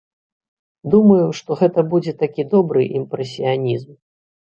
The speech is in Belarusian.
Думаю, што гэта будзе такі добры імпрэсіянізм.